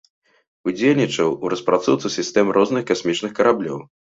Удзельнічаў у распрацоўцы сістэм розных касмічных караблёў.